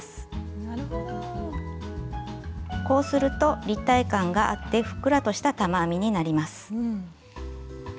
こうすると立体感があってふっくらとした玉編みになります。